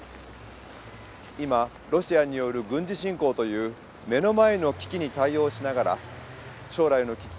今ロシアによる軍事侵攻という目の前の危機に対応しながら将来の危機